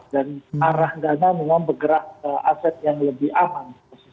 dan arah dana memang bergerak ke aset yang lebih aman